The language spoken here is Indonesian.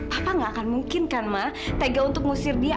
papa gak akan mungkin kan mah tega untuk ngusir dia